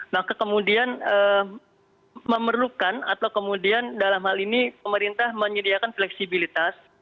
maka kemudian memerlukan atau kemudian dalam hal ini pemerintah menyediakan fleksibilitas